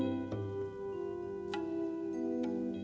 janganlah kau berguna